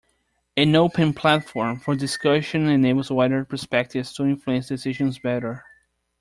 An open platform for discussion enables wider perspectives to influence decisions better.